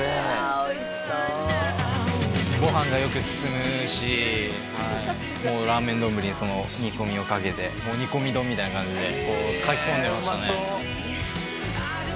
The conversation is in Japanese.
おいしそうご飯がよく進むしラーメン丼にその煮込みをかけて煮込み丼みたいな感じでかきこんでましたねへうまそう